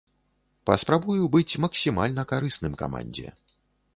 Паспрабую быць максімальна карысным камандзе.